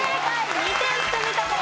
２点積み立てです。